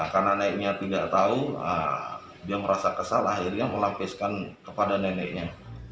karena neneknya tidak tahu dia merasa kesal akhirnya melapiskan kepada neneknya